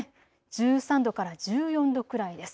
１３度から１４度くらいです。